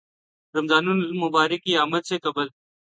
رمضان المبارک کی آمد سے قبل